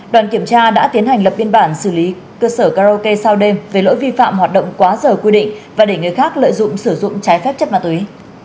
đoàn kiểm tra đã tiến hành lập biên bản xử lý cơ sở karaoke sao đêm về lỗi vi phạm hoạt động quá giờ quy định và để người khác lợi dụng sử dụng trái phép chất ma túy